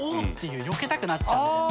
よけたくなっちゃうみたいな。